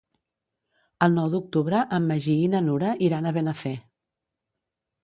El nou d'octubre en Magí i na Nura iran a Benafer.